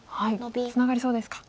ツナがりそうですか。